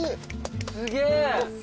すげえ。